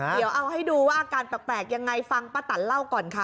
เดี๋ยวเอาให้ดูว่าอาการแปลกยังไงฟังป้าตันเล่าก่อนค่ะ